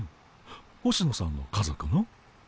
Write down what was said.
星野さんの家族の？